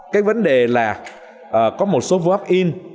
cái vấn đề là có một số phương pháp in